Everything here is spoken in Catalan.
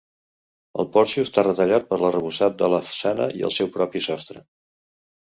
El porxo està retallat per l'arrebossat de la façana i el seu propi sostre.